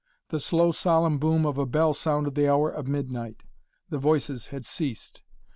The slow solemn boom of a bell sounded the hour of midnight. The voices had ceased.